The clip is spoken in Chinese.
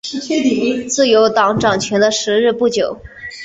自由党掌权的时日不久。